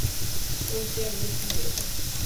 او چئر لفٽ ۾ ٻيٺو.